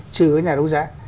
trừ cái nhà đấu giá